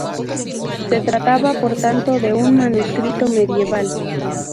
Se trataba, por tanto, de un manuscrito medieval.